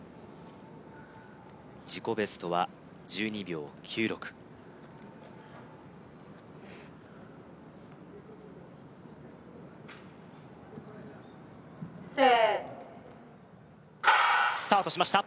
自己ベストは１２秒９６Ｓｅｔスタートしました